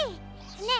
ねえ